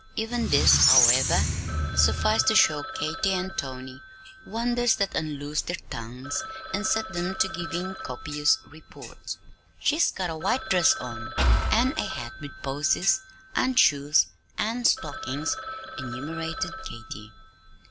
Even this, however, sufficed to show Katy and Tony wonders that unloosed their tongues and set them to giving copious reports. "She's got a white dress on, an' a hat with posies, an' shoes an' stockings," enumerated Katy.